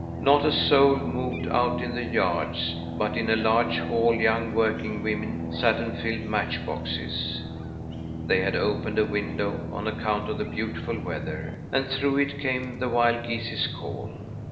Not a soul moved out in the yards; but in a large hall young working women sat and filled match boxes. They had opened a window on account of the beautiful weather, and through it came the wild geese's call.